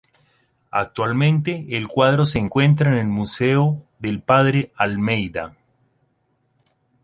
Actualmente el cuadro se encuentra en el Museo del Padre Almeida.